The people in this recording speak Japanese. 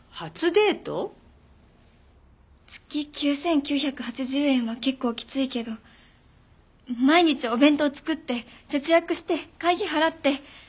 月９９８０円は結構きついけど毎日お弁当作って節約して会費払って。